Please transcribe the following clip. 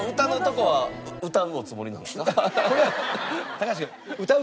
高橋君。